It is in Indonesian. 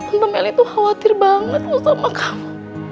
tante mel itu khawatir banget sama kamu